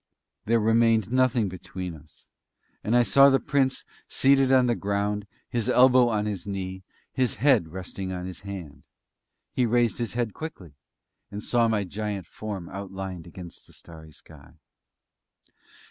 There remained nothing between us, and I saw the Prince seated on the ground, his elbow on his knee, his head resting on his hand. He raised his head quickly, and saw my giant form outlined against the starry sky.